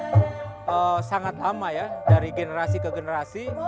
sudah sangat lama ya dari generasi ke generasi